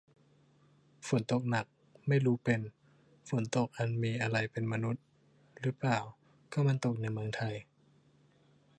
ฝนตกหนัก ไม่รู้เป็น ฝนตกอันมีอะไรเป็นมนุษย์ รึเปล่า ก็มันตกในเมืองไทย